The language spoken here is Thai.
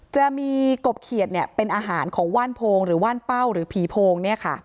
จะมีกบเขียดเป็นอาหารของว่านโพงหรือว่านเป้าหรือผีโพง